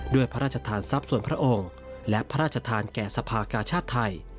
พระราชทานทรัพย์ส่วนพระองค์และพระราชทานแก่สภากาชาติไทย